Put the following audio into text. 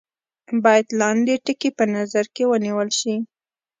باید لاندې ټکي په نظر کې ونیول شي.